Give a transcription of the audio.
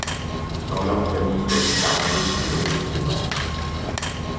Dans leur famille, la guitare manouche est omniprésente.